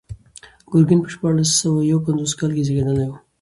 ګورګین په شپاړس سوه یو پنځوس کال کې زېږېدلی و.